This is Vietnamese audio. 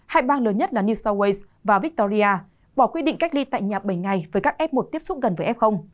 hai bang lớn nhất là new south wales và victoria bỏ quy định cách ly tại nhà bảy ngày với các f một tiếp xúc gần với f